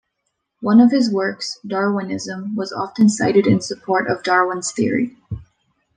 One of his works, "Darwinism", was often cited in support of Darwin's theory.